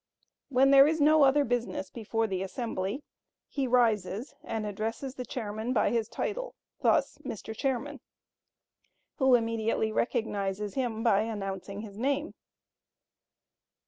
When there is no other business before the assembly, he rises and addresses the chairman by his title, thus: "Mr. Chairman," who immediately recognizes him by announcing his name.